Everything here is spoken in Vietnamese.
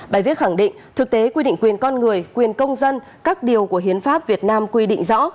bài viết khẳng định thực tế quy định quyền con người quyền công dân các điều của hiến pháp việt nam quy định rõ